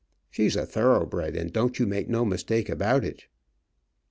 She's a thoroughbred, and don't you make no mistake about it."